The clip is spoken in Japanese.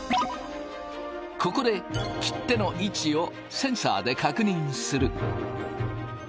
ここで切手の位置をセンサーで確認する。